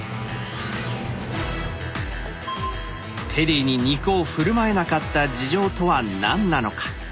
ペリーに肉を振る舞えなかった事情とは何なのか。